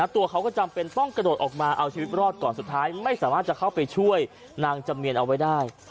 ตัวเขาก็จำเป็นต้องกระโดดออกมาเอาชีวิตรอดก่อนสุดท้ายไม่สามารถจะเข้าไปช่วยนางจำเนียนเอาไว้ได้